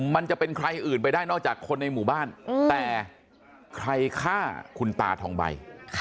มันจะเป็นใครอื่นไปได้นอกจากคนในหมู่บ้านแต่ใครฆ่าคุณตาทองใบ